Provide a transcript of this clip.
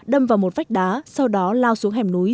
đâm vào một vách đá sau đó lao xuống hẻm núi